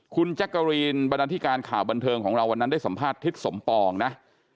คุณแจ๊กกะรีนบรรดาธิการข่าวบันเทิงของเราวันนั้นได้สัมภาษณ์ทิศสมปองนะ